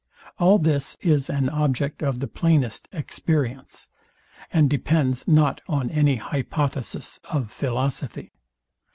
All this is an object of the plainest experience, and depends not on any hypothesis of philosophy.